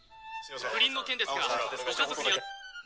不倫の件ですがご家族には。